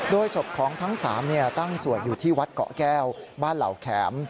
ศพของทั้ง๓ตั้งสวดอยู่ที่วัดเกาะแก้วบ้านเหล่าแข็ม